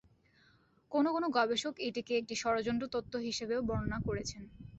কোনও কোনও গবেষক এটিকে একটি ষড়যন্ত্র তত্ত্ব হিসেবেও বর্ণনা করেছেন।